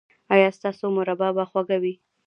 ایا ستاسو مربا به خوږه وي؟